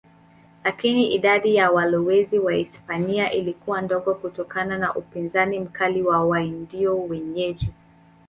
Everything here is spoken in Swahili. Lakini idadi ya walowezi Wahispania ilikuwa ndogo kutokana na upinzani mkali wa Waindio wenyeji.